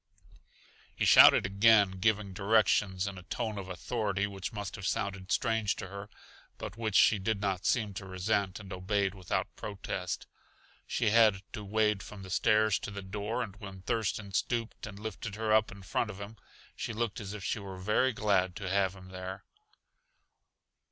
He shouted again, giving directions in a tone of authority which must have sounded strange to her, but which she did not seem to resent and obeyed without protest. She had to wade from the stairs to the door and when Thurston stooped and lifted her up in front of him, she looked as if she were very glad to have him there.